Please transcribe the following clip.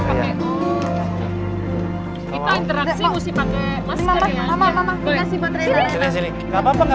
kita interaksi mesti pake mas karyanya